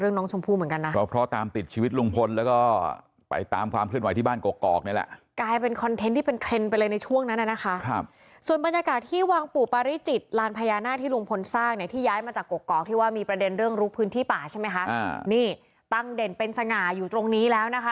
นี่ต้องเด่นเป็นสง่าอยู่ตรงนี้แล้วนะคะ